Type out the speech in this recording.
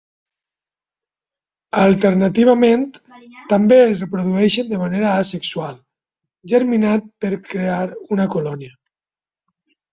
Alternativament, també es reprodueixen de manera asexual, germinant per crear una colònia.